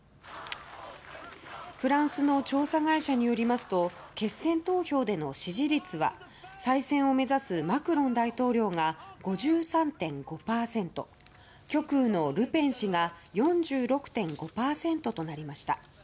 フランスの調査会社によりますと決選投票での支持率は再選を目指すマクロン大統領が５３．５％極右のルペン氏が４６．５％となりました。